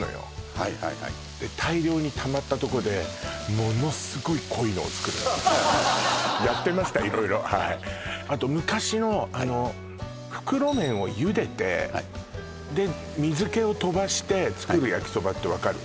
はいはいはいで大量にたまったとこでものすごい濃いのを作るのあと昔のあの袋麺を茹でてで水気をとばして作る焼きそばって分かる？